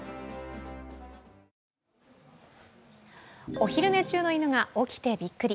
お昼寝中の犬が起きてびっくり！